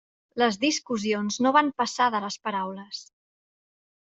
Les discussions no van passar de les paraules.